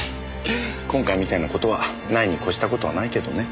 今回みたいな事はないに越した事はないけどね。